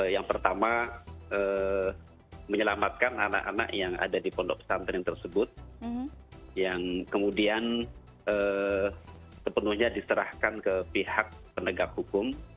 yang pertama menyelamatkan anak anak yang ada di pondok pesantren tersebut yang kemudian sepenuhnya diserahkan ke pihak penegak hukum